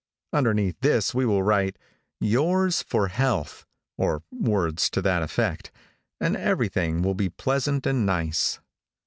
Underneath this we will write, "Yours for Health," or words to that effect, and everything will be pleasant and nice.